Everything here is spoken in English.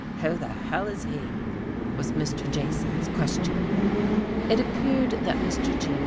"Who the hell is he?" was Mr. Jason's question. It appeared that Mr. G.'